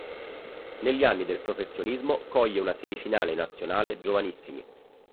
Negli anni del professionismo coglie una semifinale nazionale giovanissimi.